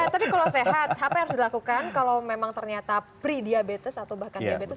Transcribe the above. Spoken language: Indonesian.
tapi kalau sehat apa yang harus dilakukan kalau memang ternyata pre diabetes atau bahkan diabetes